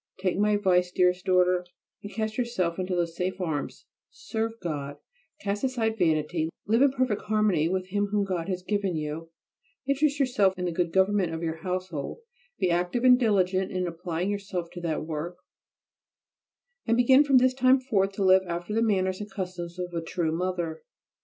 Take my advice, dearest daughter, and cast yourself into these safe arms: serve God, cast aside vanity, live in perfect harmony with him whom God has given you, interest yourself in the good government of your household, be active and diligent in applying yourself to that work, and begin from this time forth to live after the manners and customs of a true mother.